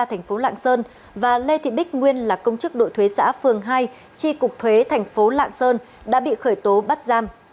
thành phố lạng sơn và lê thị bích nguyên là công chức đội thuế xã phường hai chi cục thuế thành phố lạng sơn đã bị khởi tố bắt giam